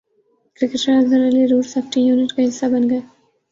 cricketer Azhar Ali road safety unit کا حصہ بن گئے